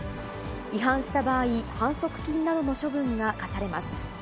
違反した場合、反則金などの処分が科されます。